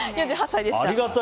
４８歳でした。